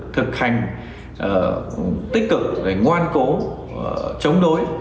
thực hành tích cực ngoan cố chống đối